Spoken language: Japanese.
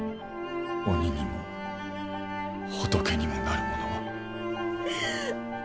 鬼にも仏にもなる者は。